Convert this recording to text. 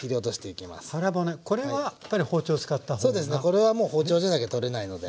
これはもう包丁じゃなきゃ取れないので。